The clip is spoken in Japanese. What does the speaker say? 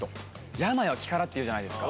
病は気からっていうじゃないですか。